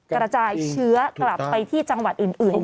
กระจายเชื้อกลับไปที่จังหวัดอื่น